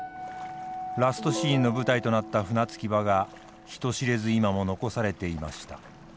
ラストシーンの舞台となった船着き場が人知れず今も残されていました。